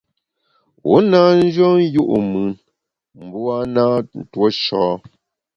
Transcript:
U na nyùen yu’ mùn mbu (w) a na ntuo sha.